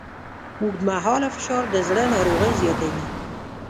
اوږدمهاله فشار د زړه ناروغۍ زیاتوي.